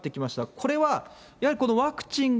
これはやはりこのワクチンが